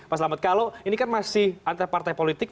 mas lama kalau ini kan masih antar partai politik